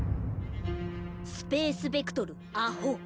スペースベクトル・ａ・ｈ・ｏ。